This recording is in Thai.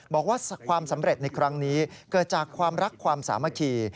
บอกว่าความสำเร็จในครั้งนี้เกิดจากความรักความสามัคคี